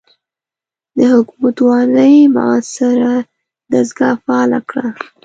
د حکومتوالۍ معاصره دستګاه فعاله کړه.